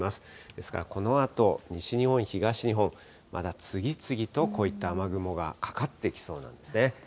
ですから、このあと西日本、東日本、まだ次々とこういった雨雲がかかってきそうなんですね。